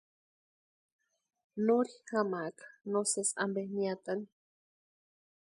Nori jamaaka no sési ampe niatani.